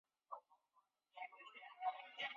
反应可能经过两个中间步骤。